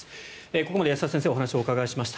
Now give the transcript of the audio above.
ここまで安田先生にお話を伺いました。